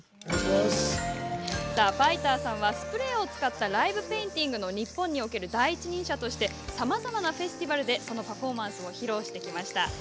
☆ファイター☆さんはスプレーを使ったライブペインティングの日本における第一人者としてさまざまなフェスティバルでそのパフォーマンスを披露してきました。